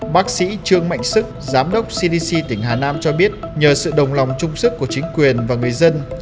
bác sĩ trương mạnh sức giám đốc cdc tỉnh hà nam cho biết nhờ sự đồng lòng trung sức của chính quyền và người dân